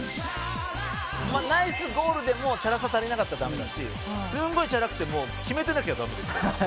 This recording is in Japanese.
ナイスゴールでもチャラさが足りなかったらダメだしすごいチャラくても決めてなきゃダメですから。